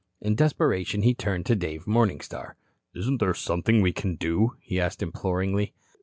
In desperation he turned to Dave Morningstar. "Isn't there something we can do?" he asked imploringly.